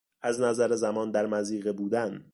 از نظر زمان در مضیقه بودن